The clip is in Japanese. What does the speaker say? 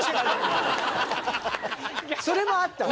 それもあった。